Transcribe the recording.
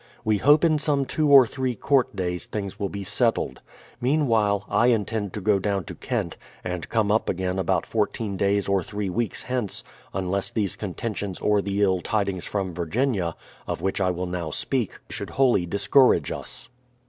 We hope in some two or three Court days things will be settled. Meanwhile, I intend to go down to Kent, and come up again about 14 days or three weeks hence unless these contentions or the ill tidings from Virginia (of which I will now speak) should wholly discourage us.